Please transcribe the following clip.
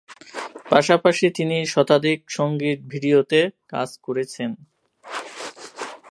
পাশাপাশি তিনি শতাধিক সঙ্গীত-ভিডিওতে কাজ করেছেন।